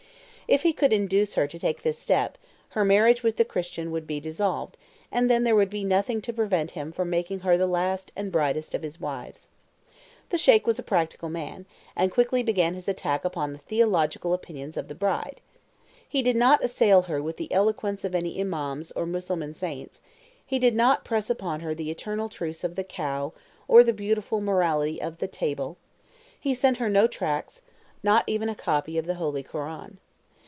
If he could induce her to take this step, her marriage with the Christian would be dissolved, and then there would be nothing to prevent him from making her the last and brightest of his wives. The Sheik was a practical man, and quickly began his attack upon the theological opinions of the bride. He did not assail her with the eloquence of any imaums or Mussulman saints; he did not press upon her the eternal truths of the "Cow," or the beautiful morality of "the Table"; he sent her no tracts, not even a copy of the holy Koran.